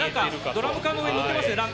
ドラム缶の上にありますね。